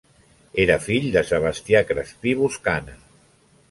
Era fill de Sebastià Crespí Boscana.